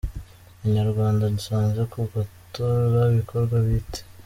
InyaRwanda: Dusoza, ku gutora bikorwa bite?.